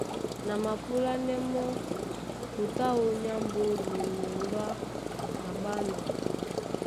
Ná a mapúlánɛ́ mɔ́ tutú áō nyá mbódi mwembá na ɓána.